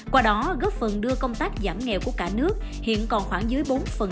qua đó góp phần đưa công tác giảm nghèo của cả nước hiện còn khoảng dưới bốn